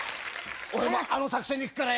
俺もあの作戦でいくからよ。